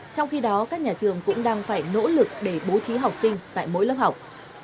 trong khi đó các nhà trường cũng đang phải nỗ lực để bố trí học sinh tại mỗi lớp học